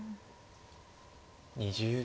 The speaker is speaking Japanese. ２０秒。